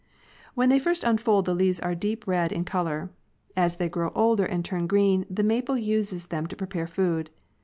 When they first unfold the leaves are deep red in color. As they grow older and turn green, the maple uses them to prepare food.